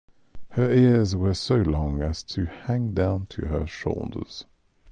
Her ears were so long as to hang down to her shoulders.